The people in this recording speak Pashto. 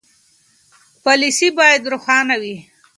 پالیسي باید روښانه وي.